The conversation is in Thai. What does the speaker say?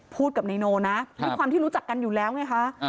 พูดกับนายโนนะด้วยความที่รู้จักกันอยู่แล้วไงคะ